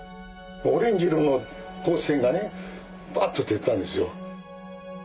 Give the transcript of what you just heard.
オレンジ色の光線がねバッと照ったんですよ。